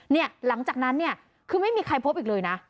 หลังจากนั้นเนี่ยคือไม่มีใครพบอีกเลยนะ